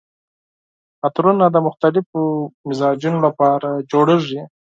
عطرونه د مختلفو مزاجونو لپاره تولیدیږي.